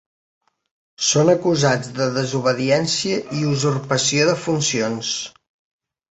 Són acusats de desobediència i usurpació de funcions.